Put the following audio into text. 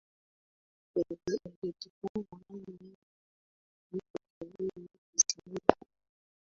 nilijifunza mambo mengi nilipotembelea isimila